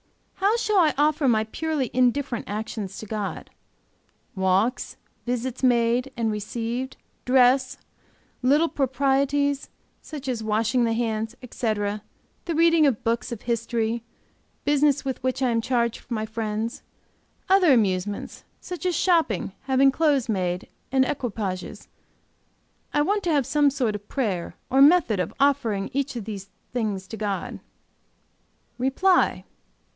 How shall I offer my purely indifferent actions to God; walks, visits made and received, dress, little proprieties, such as washing the hands, etc.', the reading of books of history, business with which I am charged for my friends, other amusements, such as shopping, having clothes made, and equipages. I want to have some sort of prayer, or method of offering each of these things to God. "REPLY.